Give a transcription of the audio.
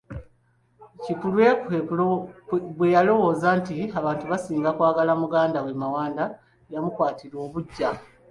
Kikulwe bwe yalowooza nti abantu basinga kwagala muganda we Mawanda, yamukwatirwa obuggya.